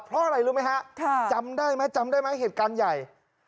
เพราะอะไรรู้ไหมครับจำได้ไหมเหตุการณ์ใหญ่